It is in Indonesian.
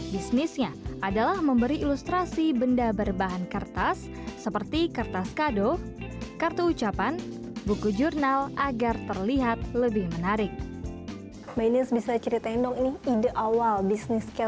bisnisnya adalah memberi ilustrasi benda berbahan kertas seperti kertas kado kartu ucapan buku jurnal agar terlihat lebih menarik